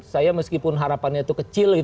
saya meskipun harapannya itu kecil